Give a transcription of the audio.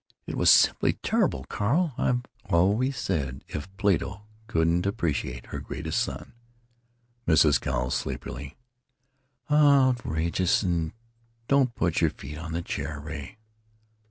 It was simply terrible, Carl; I've always said that if Plato couldn't appreciate her greatest son——" Mrs. Cowles (sleepily): "Outrageous.... And don't put your feet on that chair, Ray."